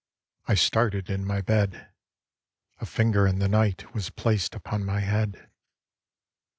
I started in my bed. A finger in the night Was placed upon my head.